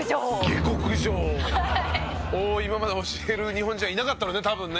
下克上を今まで教える日本人はいなかったのね多分ね。